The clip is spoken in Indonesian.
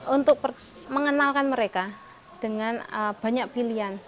untuk mengenalkan mereka dengan banyak pilihan